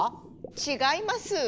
違います。